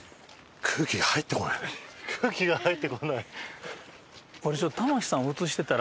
富澤：空気が入ってこないね。